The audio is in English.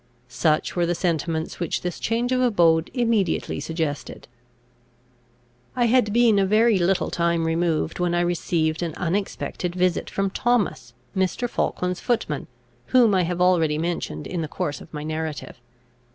Such were the sentiments which this change of abode immediately suggested. I had been a very little time removed, when I received an unexpected visit from Thomas, Mr. Falkland's footman, whom I have already mentioned in the course of my narrative.